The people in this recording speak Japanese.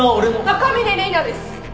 赤嶺麗奈です！